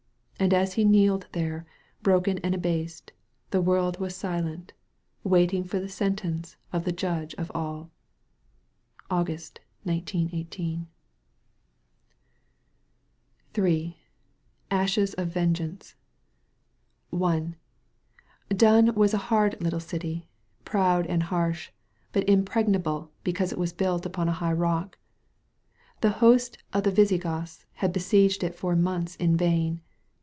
And as he kneeled there, broken and abased, the world was silent, waiting for the sentence of the Judge of All. August, 1018. 82 ASHES OF VENGEANCE I Dun was a hard little dty, proud and harsh; but impregnable because it was built upon a hi^ rock. The host of the Visigoths had besieged it for months in vain.